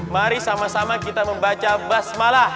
mari sama sama kita membaca basmalah